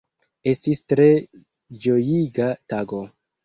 Estis tre ĝojiga tago.